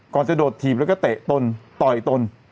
จะโดดถีบแล้วก็เตะตนต่อยตน